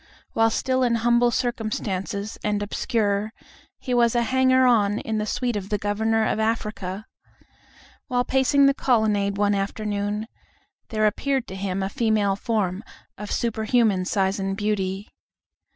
While still in humble circumstances and obscure, he was a hanger on in the suite of the Governor of Africa. While pacing the colonnade one afternoon, there appeared to him a female form of superhuman size and beauty.